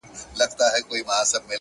دا کتاب ختم سو نور، یو بل کتاب راکه.